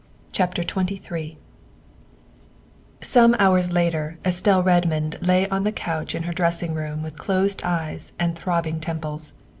224 THE WIFE OF XXIII SOME hours later Estelle Redmond lay on the couch in her dressing room with closed eyes and throbbing temples.